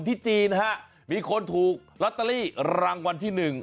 จีนฮะมีคนถูกลอตเตอรี่รางวัลที่หนึ่ง